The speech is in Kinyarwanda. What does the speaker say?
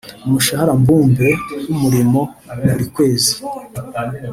umushahara mbumbe wumurimo buri kwezi